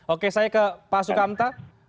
oke saya ke pak sukamta